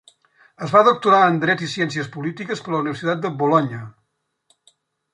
Es va doctorar en Dret i Ciències Polítiques per la Universitat de Bolonya.